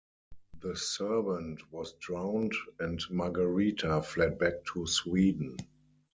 The servant was drowned and Margareta fled back to Sweden.